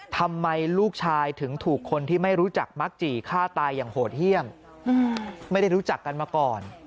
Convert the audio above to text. ทำไมลูกชายถึงถูกคนที่ไม่รู้จักมักจี่ฆ่าตายอย่างโหดเยี่ยมไม่ได้รู้จักกันมาก่อน